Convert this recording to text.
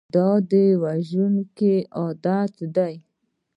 دا وژونکی عادت دی.